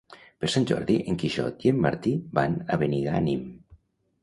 Per Sant Jordi en Quixot i en Martí van a Benigànim.